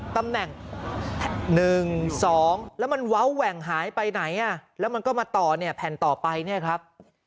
ตำแหน่ง๑๒แล้วมันเว้าแหว่งหายไปไหนแล้วมันก็มาต่อเนี่ยแผ่นต่อไปเนี่ยครับ